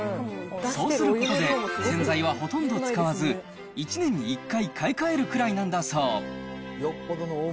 そうすることで、洗剤はほとんど使わず、１年に１回、買い換えるくらいなんだそう。